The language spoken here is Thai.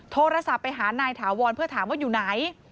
โทรศัพท์ไปหานายถาวรเพื่อถามว่าอยู่ไหน